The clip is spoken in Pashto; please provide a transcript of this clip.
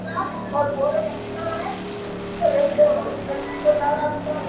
• ستا د قاتل حُسن منظر دی، زما زړه پر لمبو.